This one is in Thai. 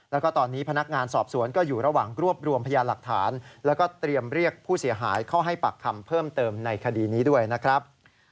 แล้วก็ตอนนี้พนักงานสอบสวนก็อยู่ระหว่างรวบรวมพยานหลักฐานแล้วก็เตรียมเรียกผู้เสียหายเข้าให้ปากคำเพิ่มเติมในคดีนี้ด้วยนะครับ